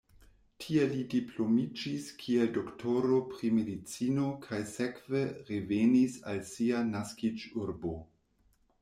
Tie li diplomiĝis kiel doktoro pri medicino kaj sekve revenis al sia naskiĝurbo.